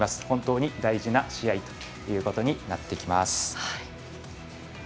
本当に大事な試合ということになってきます。